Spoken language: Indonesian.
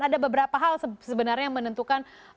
ada beberapa hal sebenarnya yang menentukan arah mata uang di dunia